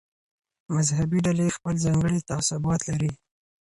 مذهبي ډلې خپل ځانګړي تعصبات لري.